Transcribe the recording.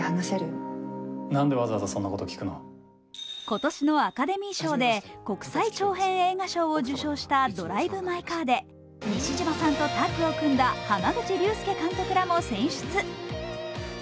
今年のアカデミー賞で国際長編映画賞を受賞した「ドライブ・マイ・カー」で西島さんとタッグを組んだ濱口竜介監督らも選出。